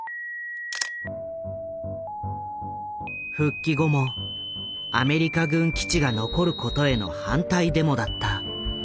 復帰後もアメリカ軍基地が残ることへの反対デモだった。